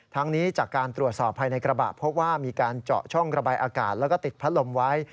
ทั้งนี้จากการตรวจสอบภายในกระบะพบว่ามีการเจาะช่องระบายอากาศแล้วก็ติดพัดลมไว้